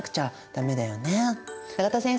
永田先生